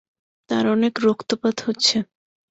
তার অনেক রক্তপাত হচ্ছে।